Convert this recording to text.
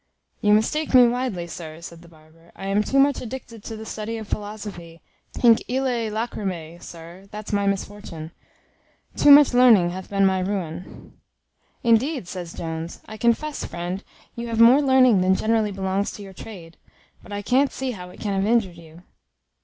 "You mistake me widely, sir," said the barber: "I am too much addicted to the study of philosophy; hinc illae lacrymae, sir; that's my misfortune. Too much learning hath been my ruin." "Indeed," says Jones, "I confess, friend, you have more learning than generally belongs to your trade; but I can't see how it can have injured you."